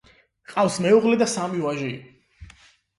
ჰყავს მეუღლე და სამი ვაჟი.